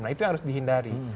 nah itu yang harus dihindari